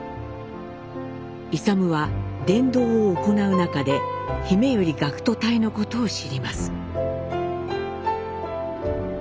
勇は伝道を行う中で「ひめゆり学徒隊」のことを知ります。